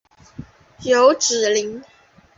有脂鳍。